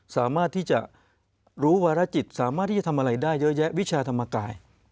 สามารถที่จะรู้ภารกิจสามารถที่จะทำอะไรได้เยอะแยะวิชาธรรมกาย